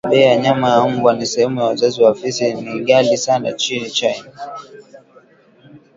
bei ya nyama ya mbwa na sehemu za uzazi wa fisi ni ghali sana nchini China